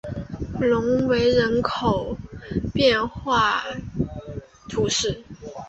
隆维人口变化图示